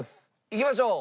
いきましょう。